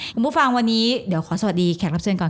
คุณผู้ฟังวันนี้เดี๋ยวขอสวัสดีแขกรับเชิญก่อน